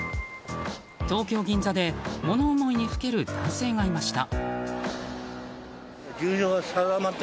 東京・銀座で物思いにふける男性がいました。